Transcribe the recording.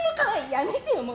やめてよ、もう。